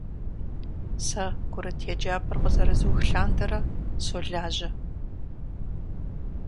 Сэ курыт еджапӀэр къызэрызух лъандэрэ солажьэ.